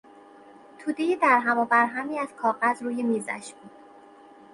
تودهی درهم و برهمی از کاغذ روی میزش بود.